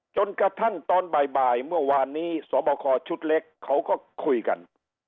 จนกระทั่งตอนบ่ายเมื่อวานนี้สวบคอชุดเล็กเขาก็คุยกัน